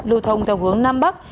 lưu thông theo hướng nam bắc